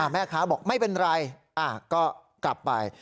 แม่ค้าบอกไม่เป็นไรก็กลับไป